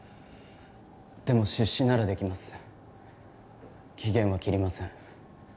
でも出資ならできます期限は切りません